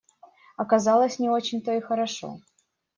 Оказалось — не очень то и хорошо.